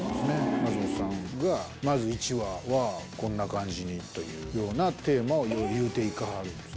松本さんが、まず１話はこんな感じにというようなテーマを言うていかはるんですね。